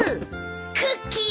クッキーだ！